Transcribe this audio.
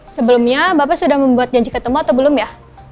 sebelumnya bapak sudah membuat janji ketemu atau belum ya